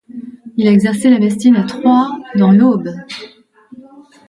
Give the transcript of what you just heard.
Il a exercé la médecine à Troyes, dans l'Aube.